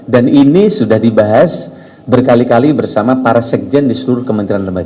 dan ini sudah dibahas berkali kali bersama para sekjen di seluruh kementerian lembaga